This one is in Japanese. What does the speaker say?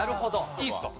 いいですか？